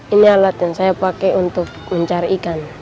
ini alat yang saya pakai untuk uncar ikan